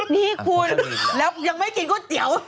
นี่คุณแล้วยังไม่กินก๋วยเตี๋ยว